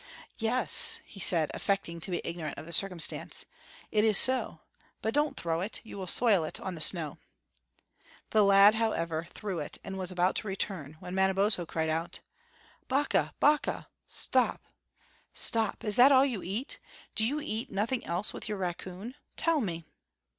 "Yes," he said, affecting to be ignorant of the circumstance, "it is so; but don't throw it, you will soil it on the snow." The lad, however, threw it, and was about to return, when Manabozho cried out: "Bakah! Bakah! stop stop! Is that all you eat? Do you eat nothing else with your raccoon? Tell me!"